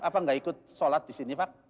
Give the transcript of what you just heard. apa nggak ikut sholat di sini pak